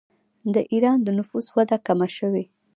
د ایران د نفوس وده کمه شوې.